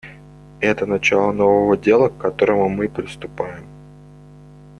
Это начало нового дела, к которому мы приступаем.